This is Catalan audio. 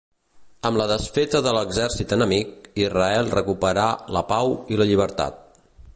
Amb la desfeta de l'exèrcit enemic, Israel recuperà la pau i la llibertat.